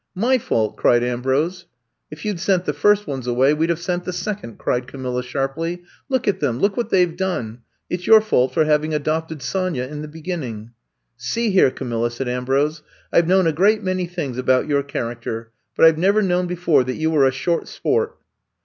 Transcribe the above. '' My fault f cried Ambrose. If you 'd sent the first ones away, we 'd have sent the second, *' cried Camilla sharply. Look at them! Look what they We done ! It 's your fault for having adopted Sonya in the beginning. '' See here, Camilla,*' said Ambrose^ I Ve known a great many things about your character, but I We never known be fore that you were a short sport.'